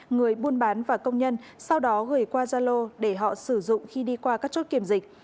người buôn bán và công nhân sau đó gửi qua gia lô để họ sử dụng khi đi qua các chốt kiểm dịch